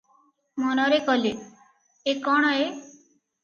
ମନରେ କଲେ, ଏ କଣ ଏ ।